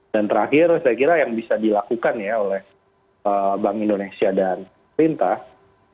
dan terakhir saya kira yang bisa dilakukan ya oleh bank indonesia dan rintas